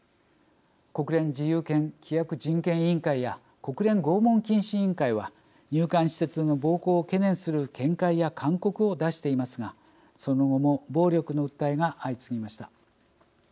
国連自由権規約人権委員会や国連拷問禁止委員会は入管施設での暴行を懸念する見解や勧告を出していますがその後も暴力の訴えが相次ぎました。